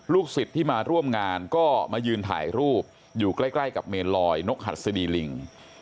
ศิษย์ที่มาร่วมงานก็มายืนถ่ายรูปอยู่ใกล้กับเมนลอยนกหัสดีลิง